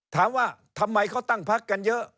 ถามว่าทำไมเขาตั้งพักกันเยอะ